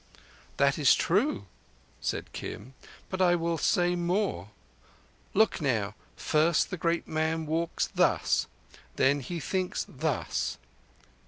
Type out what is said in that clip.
"That is true," said Kim. "But I will say more. Look now. First the great man walks thus. Then He thinks thus."